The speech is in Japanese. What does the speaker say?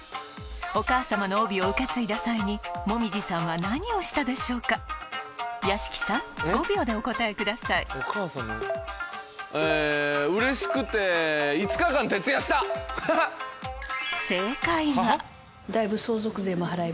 お母様の帯を受け継いだ際に紅葉さんは何をしたでしょうか屋敷さん５秒でお答えくださいははっ！